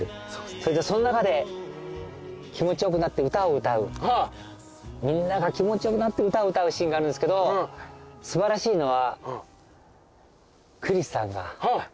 その中で気持ち良くなって歌を歌うみんなが気持ち良くなって歌を歌うシーンがあるんですけど素晴らしいのは。